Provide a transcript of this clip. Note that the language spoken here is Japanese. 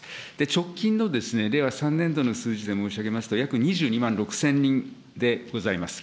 直近の令和３年度の数字で申し上げますと、約２２万６０００人でございます。